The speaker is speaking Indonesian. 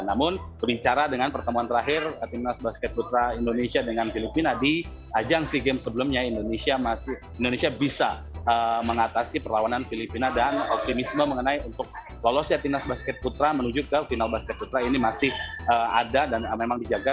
namun berbicara dengan pertemuan terakhir timnas basket putra indonesia dengan filipina di ajang sea games sebelumnya indonesia bisa mengatasi perlawanan filipina dan optimisme mengenai untuk lolosnya timnas basket putra menuju ke final basket putra ini masih ada dan memang dijaga